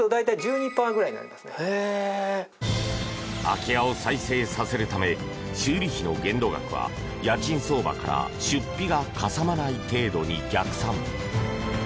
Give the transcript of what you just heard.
空き家を再生させるため修理費の限度額は家賃相場から出費がかさまない程度に逆算。